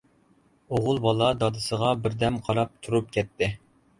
ئوغۇل بالا دادىسىغا بىردەم قاراپ تۇرۇپ كەتتى.